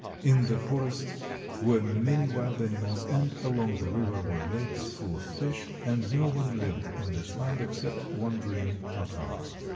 In the forests were many wild animals, and along the river were lakes full of fish, and no one hved in this land except wandering Tartars.